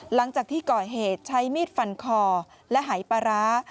หลังจากที่ก่อเหตุใช้มีดฟันคอและหายปลาร้า